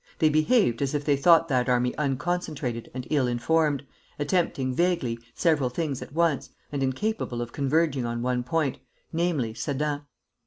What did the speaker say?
They behaved as if they thought that army unconcentrated and ill informed, attempting vaguely several things at once, and incapable of converging on one point, namely, Sedan.